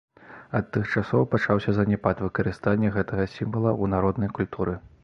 Ад тых часоў пачаўся заняпад выкарыстання гэтага сімвала ў народнай культуры.